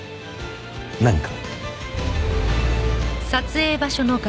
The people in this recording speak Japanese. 何か？